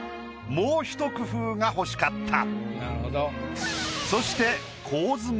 もうひと工夫が欲しかった。